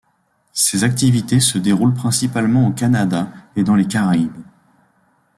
Ses activités se déroulent principalement au Canada et dans les Caraïbes.